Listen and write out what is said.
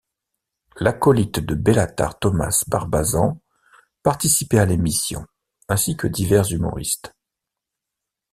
L'acolyte de Belattar Thomas Barbazan participait à l'émission, ainsi que divers humoristes.